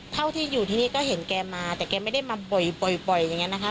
เท่าที่อยู่ที่นี่ก็เห็นแกมาแต่แกไม่ได้มาบ่อยอย่างนั้นนะคะ